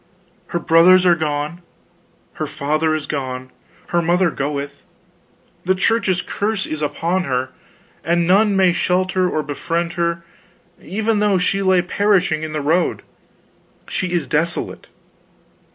Her brothers are gone, her father is gone, her mother goeth, the Church's curse is upon her, and none may shelter or befriend her even though she lay perishing in the road. She is desolate.